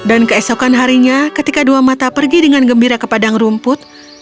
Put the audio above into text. dan keesokan harinya ketika dua mata pergi dengan gembira ke padang rumput